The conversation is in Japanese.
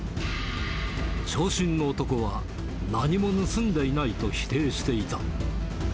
長身の男は何も盗んでいないと否定していた。